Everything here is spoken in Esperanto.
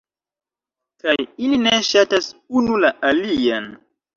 kaj ili ne ŝatas unu la alian